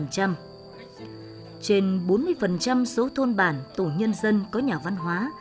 trên bốn mươi số thôn bản tổ nhân dân có nhà văn hóa